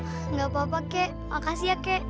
tidak apa apa kakek makasih ya kakek